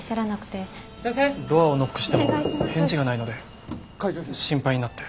ドアをノックしても返事がないので心配になって。